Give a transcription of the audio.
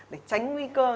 để tránh nguy cơ